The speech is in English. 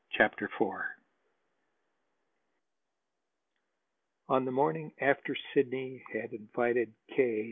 CHAPTER IV On the morning after Sidney had invited K.